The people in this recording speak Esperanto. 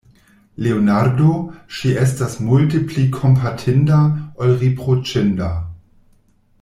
Leonardo, ŝi estas multe pli kompatinda, ol riproĉinda.